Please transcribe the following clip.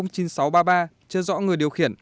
chưa rõ người điều khiển